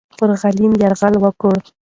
پر غلیم یرغل وکړه.